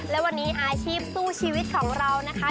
และวันนี้อาชีพสู้ชีวิตของเรานะคะ